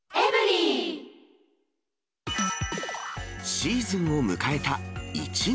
シーズンを迎えたいちご。